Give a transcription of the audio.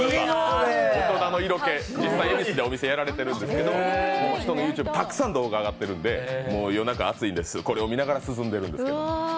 大人の色気、実際、恵比須でお店やられてるんですけど、この人のＹｏｕＴｕｂｅ、たくさん動画があがってるんで、夜中、暑いんでこれを見ながら涼んでるんです。